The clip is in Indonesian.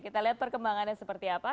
kita lihat perkembangannya seperti apa